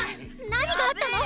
何があったの？